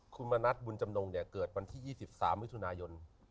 คุณมณัฐบุญจำนงเนี่ยเกิดวันที่๒๓มิถุนายน